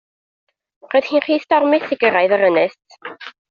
Roedd hi'n rhy stormus i gyrraedd yr ynys.